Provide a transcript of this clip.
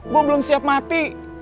gue belum siap mati